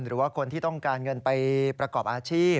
หรือว่าคนที่ต้องการเงินไปประกอบอาชีพ